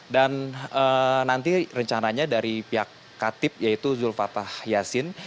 dan nanti rencananya dari pihak katib yaitu zulfatah yassin